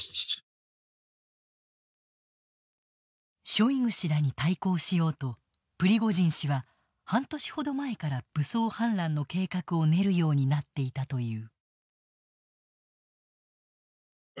ショイグ氏らに対抗しようとプリゴジン氏は半年ほど前から武装反乱の計画を練るようになっていたという。